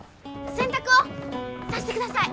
洗濯をさしてください。